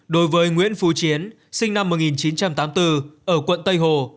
đối với nguyễn phú chiến sinh năm một nghìn chín trăm tám mươi bốn ở quận tây hồ